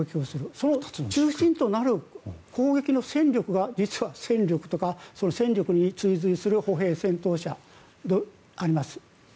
その中心となる攻撃の戦力が実は戦力とか戦力に追随する歩兵戦闘車があります。